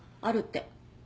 あるって。